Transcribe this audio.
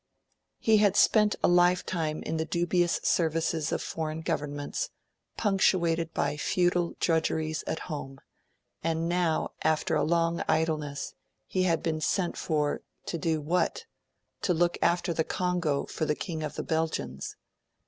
He had spent a lifetime in the dubious services of foreign governments, punctuated by futile drudgeries at home; and now, after a long idleness, he had been sent for to do what? to look after the Congo for the King of the Belgians.